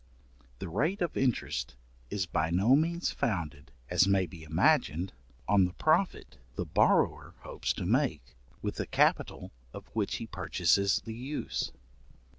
The rate of interest is by no means founded, as may be imagined, on the profit the borrower hopes to make, with the capital of which he purchases the use.